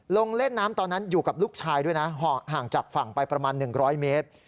เล่นน้ำตอนนั้นอยู่กับลูกชายด้วยนะห่างจากฝั่งไปประมาณ๑๐๐เมตร